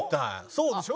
そうでしょ？